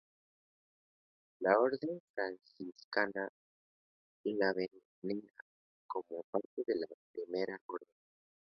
La Orden franciscana le venera como parte de la Primera Orden.